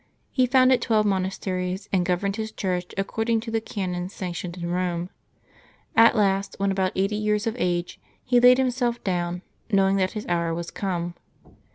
He founded twelve monasteries, and governed his Church according to the canons sanctioned in Eome. At last, when about eighty years of age, he laid himself down, knowing that his hour was come.